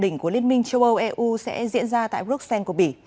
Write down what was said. hội nghị của liên minh châu âu eu sẽ diễn ra tại bruxelles của bỉ